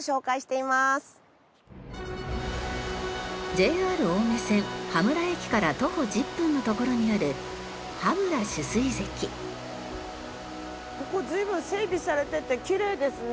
ＪＲ青梅線羽村駅から徒歩１０分のところにあるここ随分整備されててきれいですね。